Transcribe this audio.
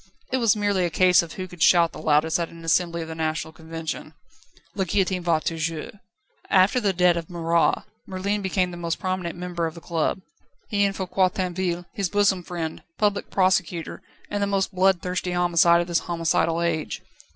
It was merely a case of who could shout the loudest at an assembly of the National Convention. "La guillotine va toujours!" After the death of Marat, Merlin became the most prominent member of the club he and Foucquier Tinville, his bosom friend, Public Prosecutor, and the most bloodthirsty homicide of this homicidal age.